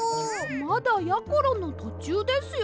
まだやころのとちゅうですよ。